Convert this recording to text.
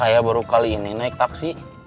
saya baru kali ini naik taksi